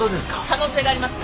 可能性があります。